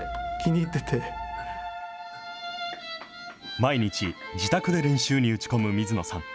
毎日、自宅で練習に打ち込む水野さん。